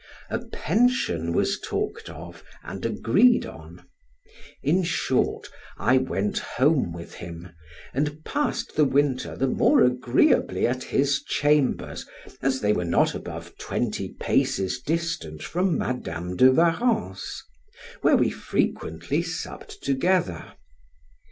A pension was talked of, and agreed on; in short, I went home with him, and passed the winter the more agreeably at his chambers, as they were not above twenty paces distant from Madam de Warrens', where we frequently supped together.